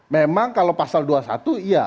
memang kalau pasal dua puluh satu iya